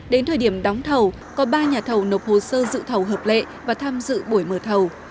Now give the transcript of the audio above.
đến thời điểm đóng thầu có ba nhà thầu nộp hồ sơ dự thầu hợp lệ và tham dự buổi mở thầu